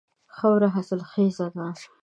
خاوره حاصل خیزه ده.